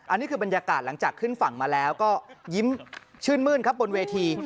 อันนี้คือบรรยากาศหลังจากขึ้นฝั่งมาแล้วก็ยิ้มชื่นมื้นครับบนเวที